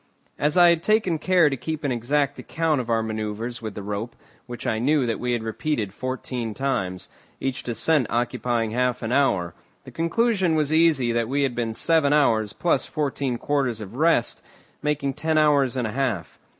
As I had taken care to keep an exact account of our manoeuvres with the rope, which I knew that we had repeated fourteen times, each descent occupying half an hour, the conclusion was easy that we had been seven hours, plus fourteen quarters of rest, making ten hours and a half.